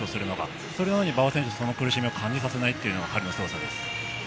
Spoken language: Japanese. それなのに馬場選手はその苦しみを感じさせないのすごさです。